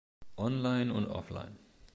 Online und Offline.